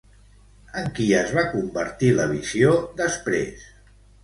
En qui es va convertir la visió després?